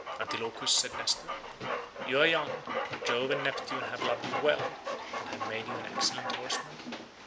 "Antilochus," said Nestor, "you are young, but Jove and Neptune have loved you well, and have made you an excellent horseman.